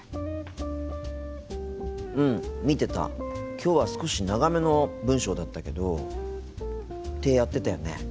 きょうは少し長めの文章だったけどってやってたよね。